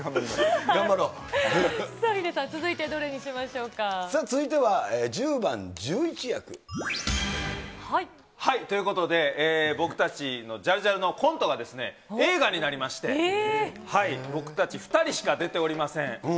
さあ、ヒデさん、続いてどれさあ、続いては１０番、ということで、僕たちの、ジャルジャルのコントが映画になりまして、僕たち２人しか出ておりません。